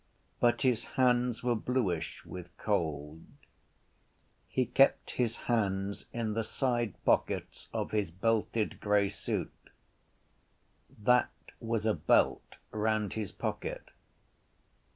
But his hands were bluish with cold. He kept his hands in the side pockets of his belted grey suit. That was a belt round his pocket.